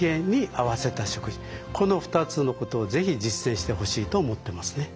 この２つのことを是非実践してほしいと思ってますね。